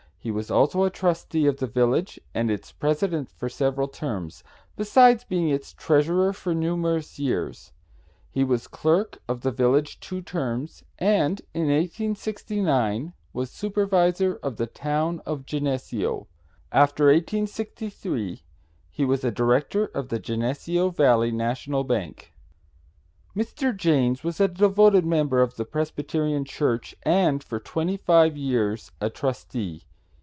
He was also a trustee of the village and its president for several terms, besides being its treasurer for numerous years. He was clerk of the village two terms, and in 1869 was supervisor of the town of Geneseo. After 1863 he was a director of the Geneseo Valley National Bank." Mr. Janes was a devoted member of the Presbyterian Church, and for twenty five years a trustee.